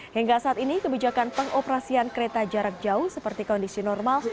hingga saat ini kebijakan pengoperasian kereta jarak jauh seperti kondisi normal